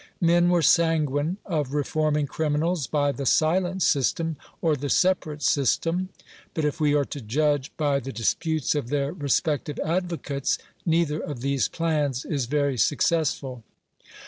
Men were sanguine of reforming criminals by the silent system, or die separate system ; but, if we are to judge by the dis putes of their respective advocates, neither of these plans is very successful.